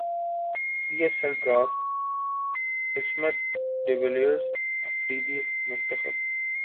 پی S L draft Smith de Villiers Afridi منتخب